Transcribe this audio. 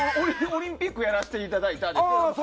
オリンピックをやらせていただいたとか。